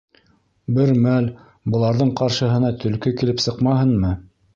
Бер мәл быларҙың ҡаршыһына төлкө килеп сыҡмаһынмы!